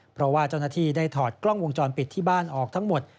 เพราะว่าเจ้าหน้าที่ได้ถอดกล้องวงจรปิดที่บ้านออกทั้งหมด